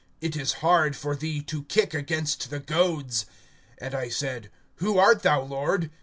It is hard for thee to kick against the goads. (15)And I said: Who art thou, Lord?